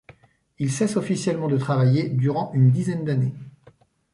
Il cesse officiellement de travailler durant une dizaine d'années.